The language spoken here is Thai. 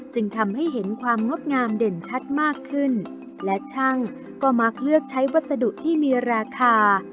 จึงทำให้เห็นความงดงามเด่นชัดมากขึ้นและช่างก็มักเลือกใช้วัสดุที่มีราคา